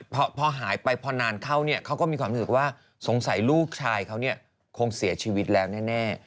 พอหายไปพอนานเข้าเนี่ยเขาก็มีความรู้สึกว่าสงสัยลูกชายเขาเนี่ยคงเสียชีวิตแล้วแน่